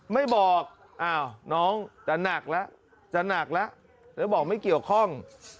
ไม่บอกอ้าวน้องจะหนักแล้วจะหนักแล้วแล้วบอกไม่เกี่ยวข้อง